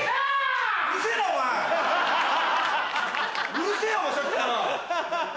うるせぇよお前さっきから。